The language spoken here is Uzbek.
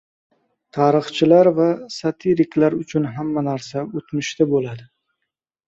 — Tarixchilar va satiriklar uchun hamma narsa o‘tmishda bo‘ladi.